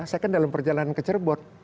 saya kan dalam perjalanan ke cirebon